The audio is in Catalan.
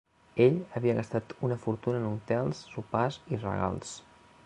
Ell havia gastat una fortuna en hotels, sopars i regals.